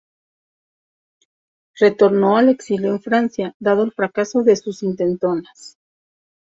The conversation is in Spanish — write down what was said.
Retornó al exilio en Francia, dado el fracaso de sus intentonas.